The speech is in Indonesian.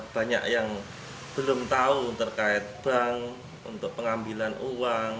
banyak yang belum tahu terkait bank untuk pengambilan uang